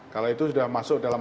kalau itu sudah masuk dalam